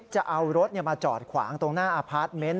จะเอารถมาจอดขวางตรงหน้าอพาร์ทเมนต์